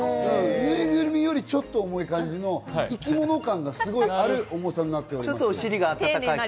ぬいぐるみよりちょっと重い感じの生き物感がすごいある重さになっております。